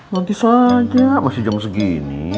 nanti saja masih jam segini